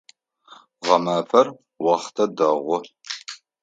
Гъэмафэр охътэ дэгъу.